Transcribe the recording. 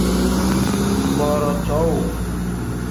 Booroo cowuu.